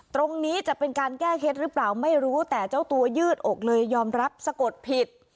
ตรงนี้จะเป็นการแก้เคล็ดหรือเปล่าไม่รู้แต่เจ้าตัวยืดอกเลยยอมรับสะกดผิด